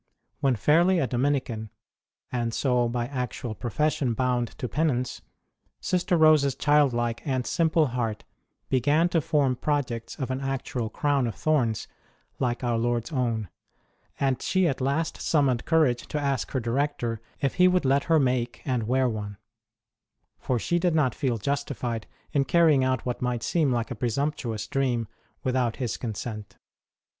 When fairly a Dominican, and so by actual profession bound to penance, Sister Rose s child like and simple heart began to form projects of an actual crown of thorn s like our Lord s own ; and she at last summoned courage to ask her director if he would let her make and wear one ; for she did not feel justified in carrying out what might seem like a presumptuous dream without his consent.